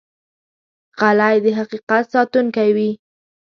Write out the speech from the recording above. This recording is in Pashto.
غلی، د حقیقت ساتونکی وي.